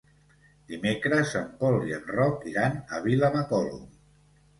Dimecres en Pol i en Roc iran a Vilamacolum.